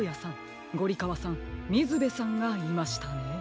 ゴリかわさんみずべさんがいましたね。